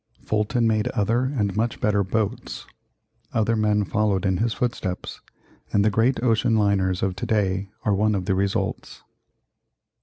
Fulton made other and much better boats. Other men followed in his footsteps, and the great ocean liners of to day are one of the results.